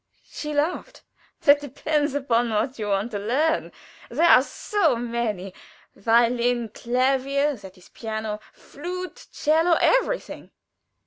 She laughed. "That depends upon what you want to learn. There are so many: violin, Clavier, that is piano, flute, 'cello, everything."